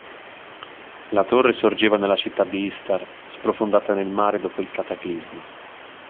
La torre sorgeva nella città di Istar, sprofondata nel mare dopo il Cataclisma.